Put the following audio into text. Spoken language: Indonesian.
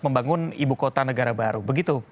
membangun ibu kota negara baru begitu